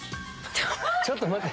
ちょっと待って。